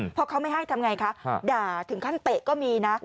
เพราะเขาไม่ให้ทำไงคะด่าถึงขั้นเตะก็มีนะ